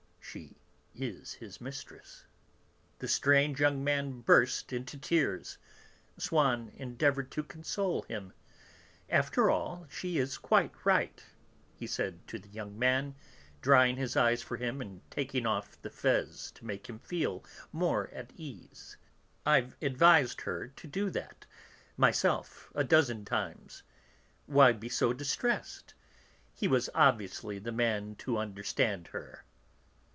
She is his mistress." The strange young man burst into tears. Swann endeavoured to console him. "After all, she is quite right," he said to the young man, drying his eyes for him and taking off the fez to make him feel more at ease. "I've advised her to do that, myself, a dozen times. Why be so distressed? He was obviously the man to understand her."